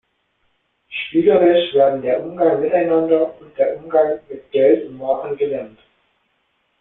Spielerisch werden der Umgang miteinander und der Umgang mit Geld und Waren gelernt.